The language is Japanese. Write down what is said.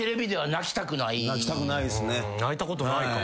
泣いたことないかも。